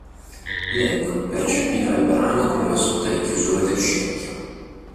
Lennon percepiva il brano come una sorta di chiusura del cerchio.